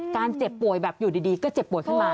เจ็บป่วยแบบอยู่ดีก็เจ็บป่วยขึ้นมา